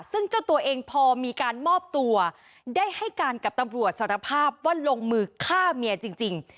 ซึ่งเจ้าตัวเองพอมีการมอบตัวได้ให้การกับตำรวจสารภาพว่าลงมือฆ่าเมียจริง